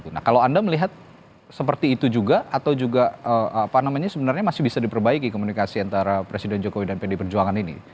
nah kalau anda melihat seperti itu juga atau juga apa namanya sebenarnya masih bisa diperbaiki komunikasi antara presiden jokowi dan pd perjuangan ini